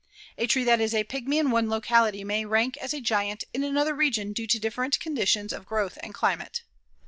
A tree that is a pigmy in one locality may rank as a giant in another region due to different conditions of growth and climate.